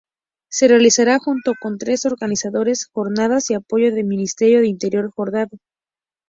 Se realizará junto con tres organizaciones jordanas y apoyo del ministerio de Interior jordano.